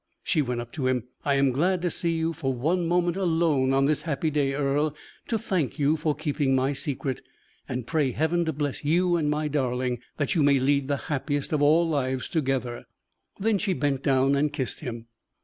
She went up to him. "I am glad to see you for one moment alone on this happy day, Earle to thank you for keeping my secret and pray Heaven to bless you and my darling, that you may lead the happiest of all lives together." Then she bent down and kissed him.